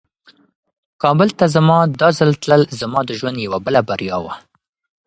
کابل ته زما دا ځل تلل زما د ژوند یوه بله بریا وه.